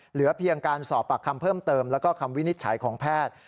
เหลือเพียงการสอบปากคำเพิ่มเติมแล้วก็คำวินิจฉัยของแพทย์